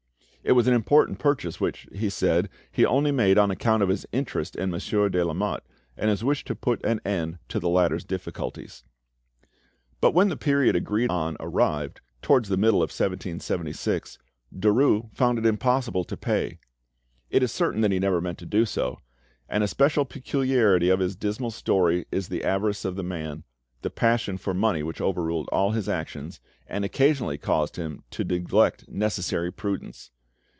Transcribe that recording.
It was an important purchase, which, he said, he only made on account of his interest in Monsieur de Lamotte, and his wish to put an end to the latter's difficulties. But when the period agreed on arrived, towards the middle of 1776, Derues found it impossible to pay. It is certain that he never meant to do so; and a special peculiarity of this dismal story is the avarice of the man, the passion for money which overruled all his actions, and occasionally caused him to neglect necessary prudence.